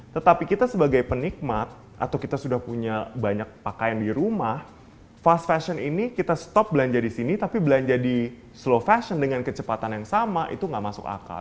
tetapi kita sebagai penikmat atau kita sudah punya banyak pakaian di rumah fast fashion ini kita stop belanja di sini tapi belanja di slow fashion dengan kecepatan yang sama itu gak masuk akal